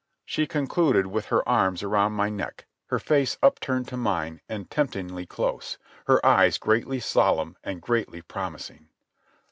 She concluded with her arms around my neck, her face upturned to mine and temptingly close, her eyes greatly solemn and greatly promising.